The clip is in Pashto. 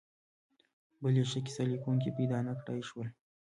بل یې ښه کیسه لیکونکي پیدا نکړای شول.